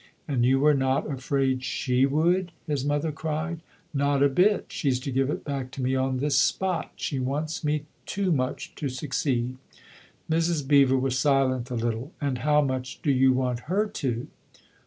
"And you were not afraid she would?" his mother cried. " Not a bit. She's to give it back to me on this spot. She wants me too much to succeed." Mrs. Beever was silent a little. "And how much do you want her to